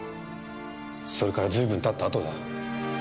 それから随分経った後だ。